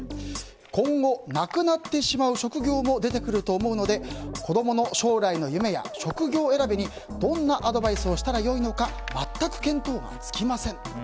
今後、なくなってしまう職業も出てくると思うので子供の将来の夢や職業選びにどんなアドバイスをしたら良いのか全く見当が付きません。